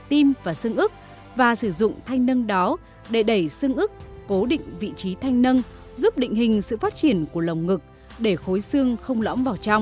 tim và xương ức và sử dụng thanh nâng đó để đẩy sưng ức cố định vị trí thanh nâng giúp định hình sự phát triển của lồng ngực để khối xương không lõm vào trong